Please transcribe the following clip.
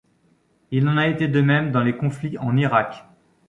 Il en a été de même dans les conflits en Irak.